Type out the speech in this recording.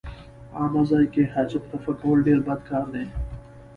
عامه ځای کې حاجت رفع کول ډېر بد کار دی.